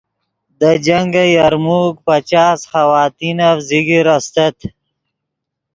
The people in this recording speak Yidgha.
دے جنگ یرموک پچاس خواتینف ذکر استت